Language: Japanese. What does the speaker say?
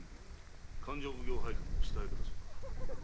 勘定奉行配下の下役だそうだ。